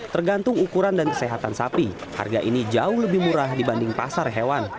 tergantung ukuran dan kesehatan sapi harga ini jauh lebih murah dibanding pasar hewan